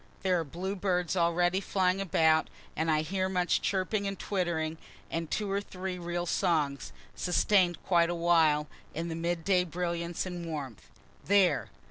There are bluebirds already flying about, and I hear much chirping and twittering and two or three real songs, sustain'd quite awhile, in the mid day brilliance and warmth. (There!